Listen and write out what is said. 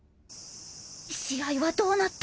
試合はどうなった！？